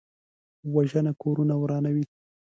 وژنه کورونه ورانوي